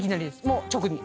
もう直に。